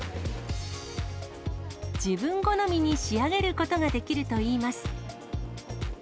自分好みに仕上げることができるといいます。